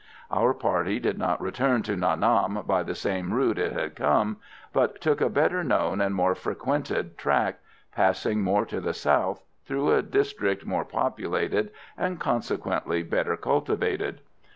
Our party did not return to Nha Nam by the same route it had come, but took a better known and more frequented track, passing more to the south, through a district more populated, and consequently better cultivated.